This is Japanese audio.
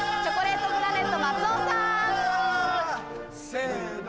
せの。